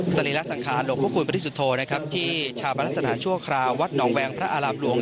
ศาลีรัฐสังฆาตหลวงพระคุณปฤษฐโธนะครับที่ชาวภารสถานชั่วคราวัดหนองแวงพระอาราบหลวง